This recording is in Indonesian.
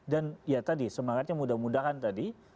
ya tadi semangatnya mudah mudahan tadi